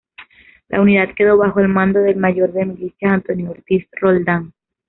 La unidad quedó bajo el mando del Mayor de milicias Antonio Ortiz Roldán.